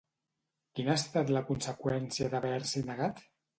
Quina ha estat la conseqüència d'haver-s'hi negat?